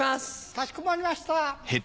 かしこまりました。